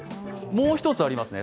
もう一つありますね。